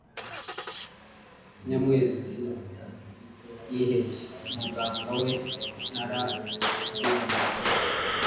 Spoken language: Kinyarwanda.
Nyamwezi: (Yihebye) Muganga we, nararwiyambitse